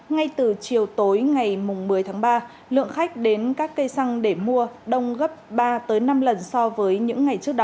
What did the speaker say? ngay từ chiều tối ngày một mươi tháng ba lượng khách đến các cây xăng để mua đông gấp ba năm lần so với những ngày trước đó